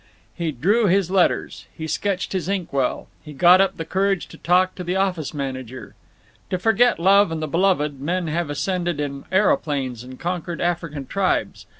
He drew up his letters; he sketched his ink well; he got up the courage to talk with the office manager…. To forget love and the beloved, men have ascended in aeroplanes and conquered African tribes.